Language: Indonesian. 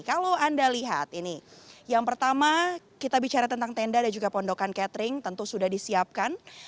kalau anda lihat ini yang pertama kita bicara tentang tenda dan juga pondokan catering tentu sudah disiapkan